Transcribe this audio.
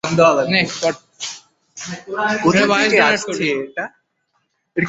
কোথা থেকে আসছে এটা?